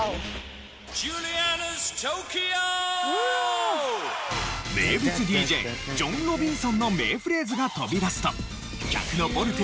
名物ＤＪジョン・ロビンソンの名フレーズが飛び出すと。